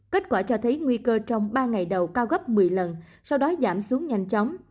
kết quả cho thấy nguy cơ trong ba ngày đầu cao gấp một mươi lần sau đó giảm xuống nhanh chóng